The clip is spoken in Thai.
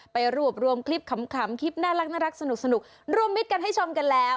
ไปรวบรวมคลิปขำคลิปน่ารักสนุกรวมมิตรกันให้ชมกันแล้ว